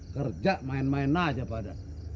kerja main main aja pada